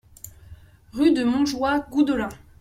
Rue de Montjoie, Goudelin